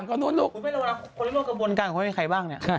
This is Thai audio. โอ้แอมป์ฟิว